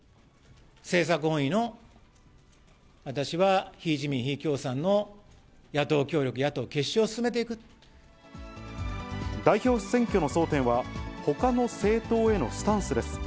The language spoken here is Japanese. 政策本位の私は、非自民、非共産の野党協力、代表選挙の争点は、ほかの政党へのスタンスです。